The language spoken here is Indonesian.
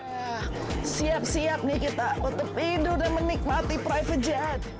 wah siap siap nih kita untuk tidur dan menikmati private jet